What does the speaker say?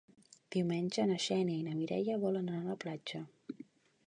Diumenge na Xènia i na Mireia volen anar a la platja.